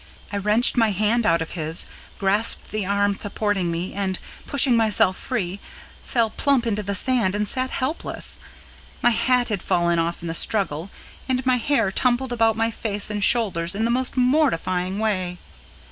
I wrenched my hand out of his, grasped the arm supporting me, and, pushing myself free, fell plump into the sand and sat helpless. My hat had fallen off in the struggle, and my hair tumbled about my face and shoulders in the most mortifying way.